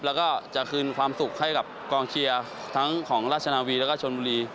แล้วก็จะคืนความสุขให้กับกองเชียร์ทั้งของราชนาวีแล้วก็ชนบุรี